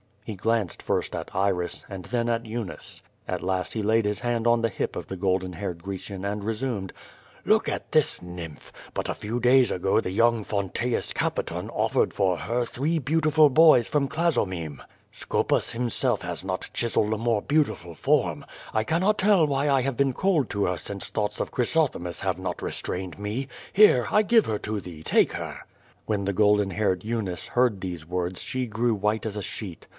He glanced first at Iris, and then at Eunice. At last he laid his hand on the hip of the golden haired Grecian and resumed: *Tjook at this nymph! But a few days ago the young Fonteius Capiton offered for her three beautiful boys from Clazomeme. Scopas himself has not QUO VADIS. 103 chiseled a more beautiful form. I cannot tell why I have been cold to her since thoughts of Chrysothemis have not restrained me. Here, I give her to thee; take her.*' When the golden haired Eunice heard these words she grew white as a sheet.